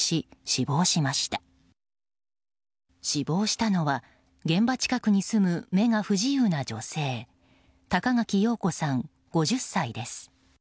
死亡したのは現場近くに住む目が不自由な女性高垣陽子さん、５０歳です。